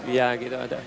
iya gitu ada